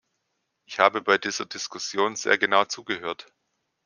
Ich habe bei dieser Diskussion sehr genau zugehört.